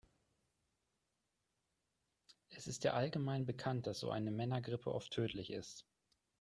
Es ist ja allgemein bekannt, dass so eine Männergrippe oft tödlich ist.